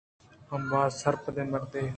آ باز سرپدیں مردمے